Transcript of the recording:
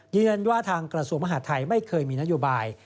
ว่าทางกระทรวงมหาดไทยไม่เคยมีนโยบาย